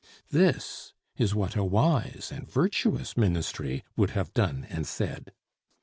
This is what a wise and virtuous ministry would have done and said.